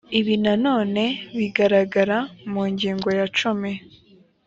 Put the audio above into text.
ibi na none bigaragara mu ngingo ya cumi